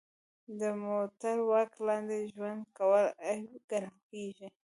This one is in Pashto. د مور تر واک لاندې ژوند کول عیب ګڼل کیږي